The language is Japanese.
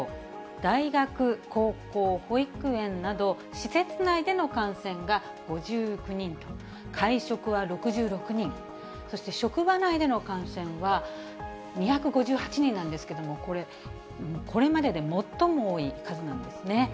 大学、高校、保育園など、施設内での感染が５９人と、会食は６６人、そして職場内での感染は２５８人なんですけれども、これ、これまでで最も多い数なんですね。